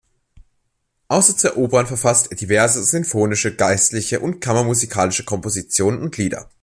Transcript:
Außer zwei Opern verfasste er diverse sinfonische, geistliche und kammermusikalische Kompositionen und Lieder.